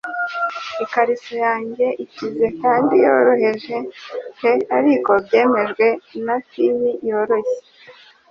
Ikariso yanjye ikize kandi yoroheje pe ariko byemejwe na pin yoroshye -